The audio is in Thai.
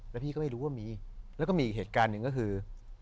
แล้วพี่ก็ไม่รู้ว่ามีแล้วก็มีอีกเหตุการณ์หนึ่งก็คือ